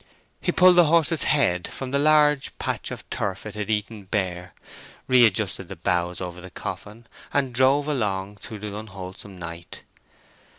He pulled the horse's head from the large patch of turf it had eaten bare, readjusted the boughs over the coffin, and drove along through the unwholesome night.